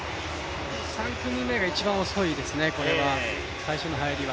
３組目が一番遅いですね、最初の入りは。